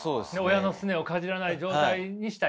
親のスネをかじらない状態にしたいと。